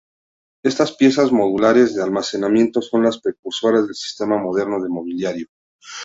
Estas piezas modulares de almacenamiento son las precursoras del sistema moderno de mobiliario.